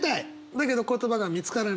だけど言葉が見つからない。